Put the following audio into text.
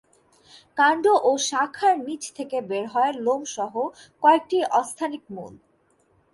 কান্ড ও শাখার নিচ থেকে বের হয় লোমসহ কয়েকটি অস্থানিক মূল।